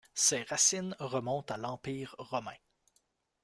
Ses racines remontent à l'empire romain.